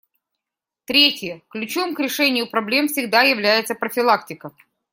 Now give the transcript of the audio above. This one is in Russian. Третье: ключом к решению проблем всегда является профилактика.